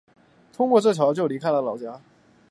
通过这桥就离开老家了